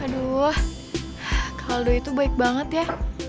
aduh kaldo itu baik banget ya